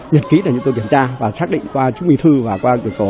nhiệt ký để chúng tôi kiểm tra và xác định qua chức mì thư và qua quyền sổ